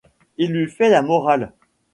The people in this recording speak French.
Il lui fait la morale.